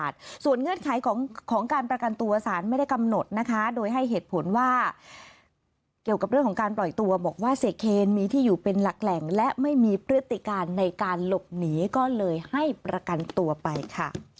ตอนนี้ตั้งแต่๖โมงถึง๕ทุ่ม